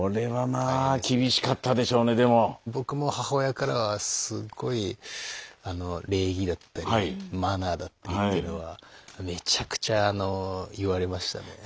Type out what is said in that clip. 僕も母親からはすごいあの礼儀だったりマナーだったりっていうのはめちゃくちゃ言われましたね。